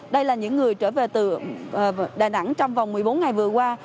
đây là những người trở về từ đà nẵng trong vòng một mươi bốn ngày vừa qua